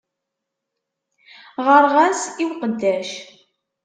Ɣɣareɣ-as i uqeddac.